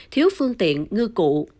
thiếu phương tiện ngư cụ